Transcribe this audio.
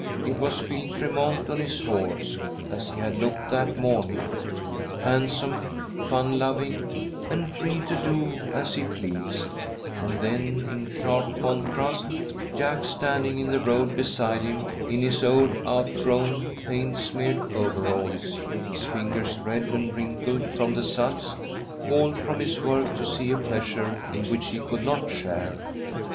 It was Phil Tremont, on his horse, as he had looked that morning, handsome, fun loving, and free to do as he pleased, and then in sharp contrast, Jack, standing in the road beside him, in his old outgrown, paint smeared overalls, his fingers red and wrinkled from the suds, called from his work to see a pleasure in which he could not share.